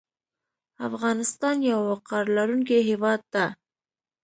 افغانستان یو وقار لرونکی هیواد ده